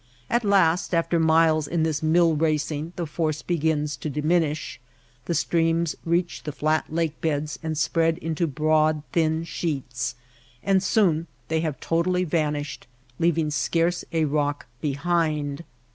At last after miles of this mill racing the force begins to diminish, the streams reach the flat lake beds and spread into broad, thin sheets ; and soon they have totally van ished, leaving scarce a rack behind.